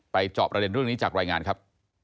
จอบประเด็นเรื่องนี้จากรายงานครับ